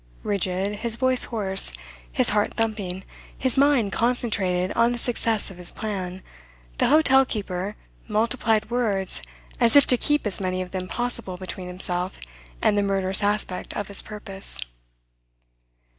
Rigid, his voice hoarse, his heart thumping, his mind concentrated on the success of his plan, the hotel keeper multiplied words, as if to keep as many of them as possible between himself and the murderous aspect of his purpose.